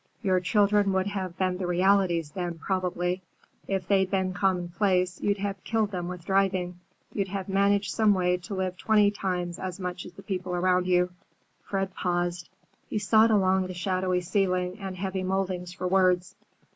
Your children would have been the realities then, probably. If they'd been commonplace, you'd have killed them with driving. You'd have managed some way to live twenty times as much as the people around you." Fred paused. He sought along the shadowy ceiling and heavy mouldings for words.